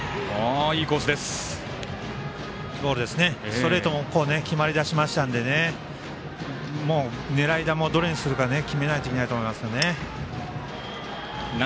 ストレートも決まりだしましたのでもう狙い球をどれにするか決めないといけないと思いますね。